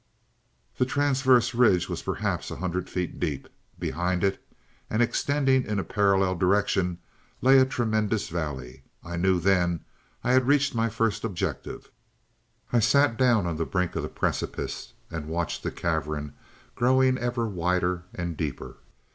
"This transverse ridge was perhaps a hundred feet deep. Behind it and extending in a parallel direction lay a tremendous valley. I knew then I had reached my first objective. "I sat down upon the brink of the precipice and watched the cavern growing ever wider and deeper.